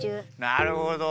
なるほど。